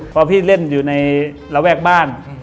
พอพี่เล่นอยู่ในระแวกบ้าน